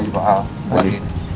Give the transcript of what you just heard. dia punya orgasi